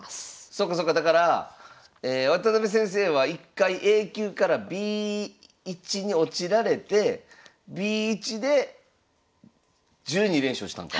そっかそっかだから渡辺先生は１回Ａ級からＢ１に落ちられてＢ１で１２連勝したんか。